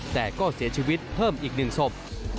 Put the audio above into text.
แต่ก็เสียชีวิตเพิ่มอีก๑ศพ